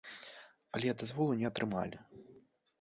Але дазволу не атрымалі.